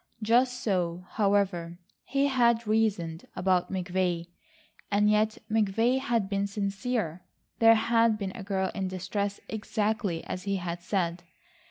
Just so, however, he had reasoned about McVay, and yet McVay had been sincere. There had been a girl in distress exactly as he had said.